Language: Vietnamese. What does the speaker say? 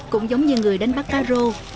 cũng giống như người đánh bắt cá rô